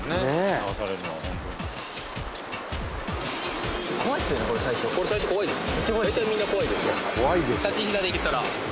流されんのはホントにこれ最初怖いです